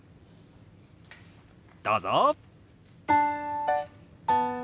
どうぞ！